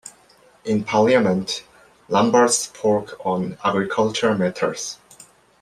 In Parliament, Lambert spoke on agriculture matters.